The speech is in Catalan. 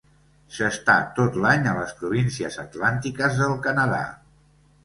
S'està tot l'any a les províncies atlàntiques del Canadà.